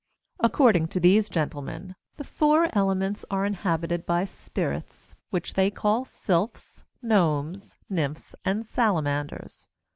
According to these gentlemen, the four elements are inhabited by Spirits, which they call Sylphs, Gnomes, Nymphs, and Salamanders.